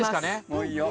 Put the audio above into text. もういいよ。